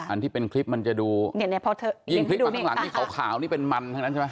อันที่เป็นคลิปมันจะดูเนี่ยเพราะเธอยิ่งคลิปมาข้างหลังนี่ขาวนี่เป็นมันทั้งนั้นใช่ไหม